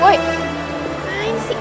bukan coba aku cchae